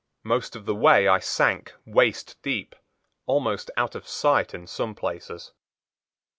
Most of the way I sank waist deep, almost out of sight in some places.